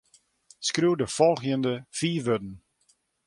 Skriuw de folgjende fiif wurden.